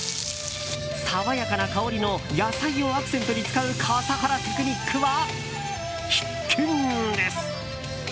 爽やかな香りの野菜をアクセントに使う笠原テクニックは必見です。